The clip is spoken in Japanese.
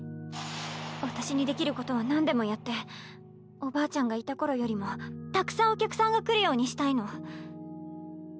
私にできることはなんでもやっておばあちゃんがいた頃よりもたくさんお客さんが来るようにしたいの。